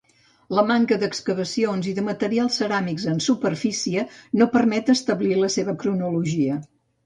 La manca d’excavacions i de materials ceràmics en superfície no permet establir la seva cronologia.